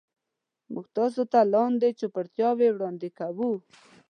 موږ تاسو ته لاندې چوپړتیاوې وړاندې کوو.